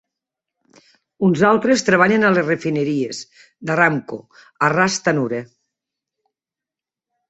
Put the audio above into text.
Uns altres treballen a les refineries d'Aramco a Ras Tanura.